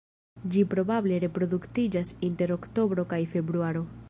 Ĝi probable reproduktiĝas inter oktobro kaj februaro.